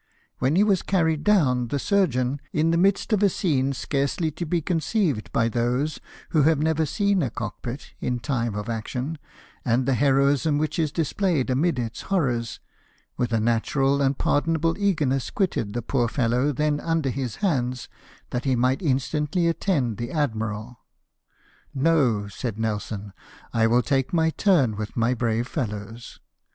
When he was carried down the surgeon — in the midst of a scene scarcely to be conceived by those who have never seen a cock pit in time of action, and the heroism which is displayed amid its horrors — with a natural and pardonable eagerness quitted the poor fellow then under his hands, that he might instantly attend the admiral. " No !" said Nelson, " I will take my turn with my brave fellows."